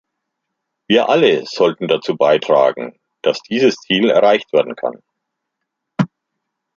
Wir alle sollten dazu beitragen, dass dieses Ziel erreicht werden kann.